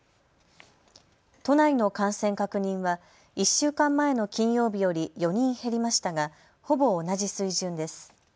都内の感染確認は１週間前の金曜日より４人減りましたがほぼ同じ水準です。